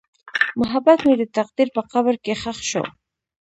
محبت مې د تقدیر په قبر کې ښخ شو.